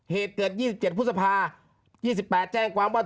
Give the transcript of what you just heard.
เหตุเกิด๒๗พฤษภา๒๘แจ้งความว่า